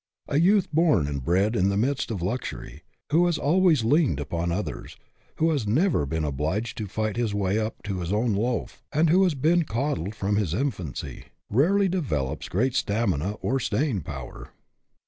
A youth, born and bred in the midst of luxury, who has always leaned upon others, who has never been obliged to fight his way up to his own loaf, and who has been coddled from his infancy, rarely develops great stamina or staying power.